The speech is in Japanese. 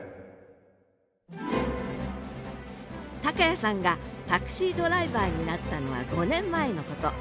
谷さんがタクシードライバーになったのは５年前のこと。